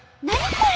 これ！